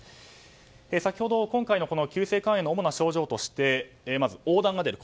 先ほど、今回の急性肝炎の主な症状としてまず黄だんが出る。